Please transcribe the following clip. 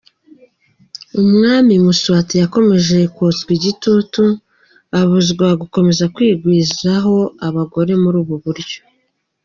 Umwami Mswati yakomeje kotswa igitutu abuzwa gukomeza kwigwizaho abagore muri ubu buryo.